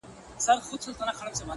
ستا د يوې لپي ښكلا په بدله كي ياران;